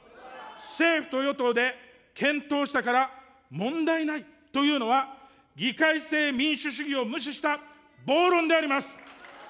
政府と与党で検討したから問題ないというのは、議会制民主主義を無視した暴論であります。